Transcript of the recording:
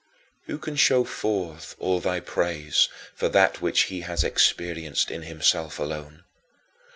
8. Who can show forth all thy praise for that which he has experienced in himself alone?